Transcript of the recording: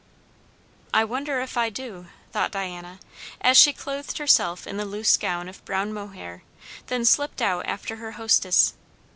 I wonder if I do, thought Diana, as she clothed herself in the loose gown of brown mohair; then slipped out after her hostess.